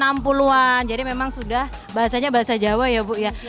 tahun enam puluh an jadi memang sudah bahasanya bahasa jawa ya buk ya